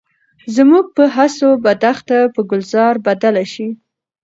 زموږ په هڅو به دښته په ګلزار بدله شي.